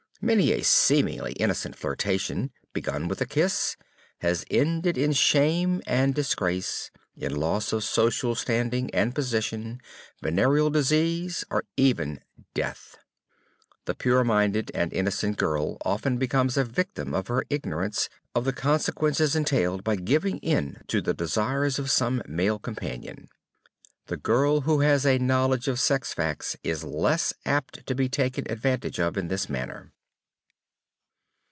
Many a seemingly innocent flirtation, begun with a kiss, has ended in shame and disgrace, in loss of social standing and position, venereal disease, or even death. The pure minded and innocent girl often becomes a victim of her ignorance of the consequences entailed by giving in to the desires of some male companion. _The girl who has a knowledge of sex facts is less apt to be taken advantage of in this manner.